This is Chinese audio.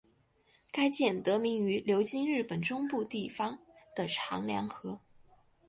该舰得名于流经日本中部地方的长良河。